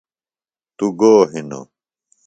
توۡ گو ہِنوۡ ؟